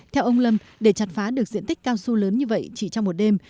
theo ông lâm để chặt phá được diện tích cao su lớn như vậy chỉ trong một đêm